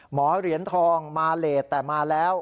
หมอเหรียญทองมาเลสแต่มาแล้ว